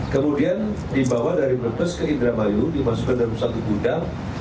kemudian dibawa dari brebes ke indramayu dimasukkan dari pusat kudang